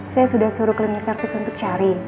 saya sudah suruh cleaning service untuk cari